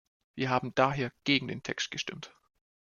Wir haben daher gegen den Text gestimmt.